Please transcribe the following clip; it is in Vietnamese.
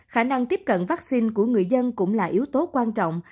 khả năng tiếp cận vaccine của người dân cũng là yếu tố quan trọng